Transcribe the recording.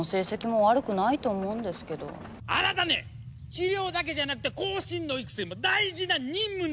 治療だけじゃなくて後進の育成も大事な任務なんですぞ！